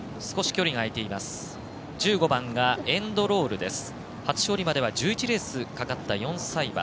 １５番エンドロールです。